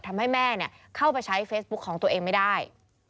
ทำให้แม่เข้าไปใช้เฟซบุ๊คของตัวเองไม่ได้